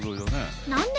何で？